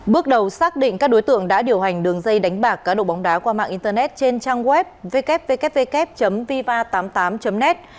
bước đầu xác định các đối tượng đã điều hành đường dây đánh bạc cá độ bóng đá qua mạng internet trên trang web ww viva tám mươi tám net